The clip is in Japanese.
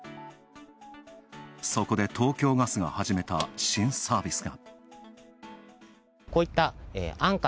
そこで東京ガスがはじめた、新サービスが。